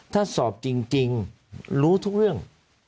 ถ้าสอบจริงรู้ทุกเรื่อง